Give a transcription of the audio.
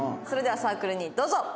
それではサークルにどうぞ。